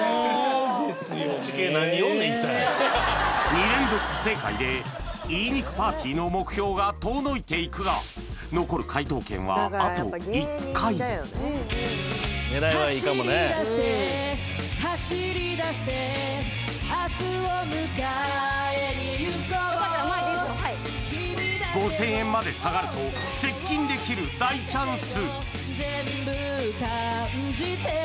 ２連続不正解で良い肉パーティーの目標が遠のいていくが残る５０００円まで下がると接近できる大チャンス！